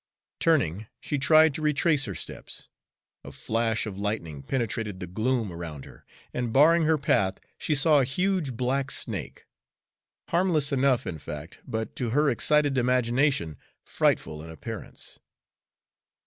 Turning, she tried to retrace her steps. A flash of lightning penetrated the gloom around her, and barring her path she saw a huge black snake, harmless enough, in fact, but to her excited imagination frightful in appearance.